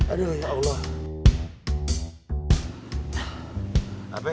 aduh ya allah